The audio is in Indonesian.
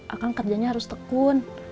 akang kerjanya harus tekun